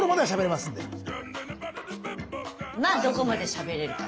まあどこまでしゃべれるか。